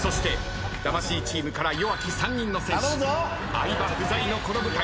相葉不在のこの舞台。